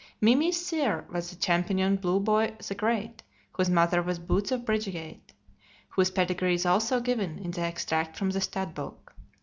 "Mimi's" sire was the champion Blue Boy the Great, whose mother was Boots of Bridgeyate, whose pedigree is also given in the extract from the stud book.